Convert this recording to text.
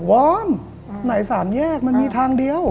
วอนไหนสามแยกมันมีทางเดียว